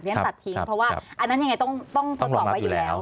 ฉันตัดทิ้งเพราะว่าอันนั้นยังไงต้องทดสอบไว้อยู่แล้ว